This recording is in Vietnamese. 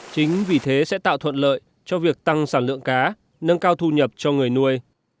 chính vì thế sẽ tạo thuận lợi cho việc tăng sản lượng cá nâng cao thu nhập cho người nuôi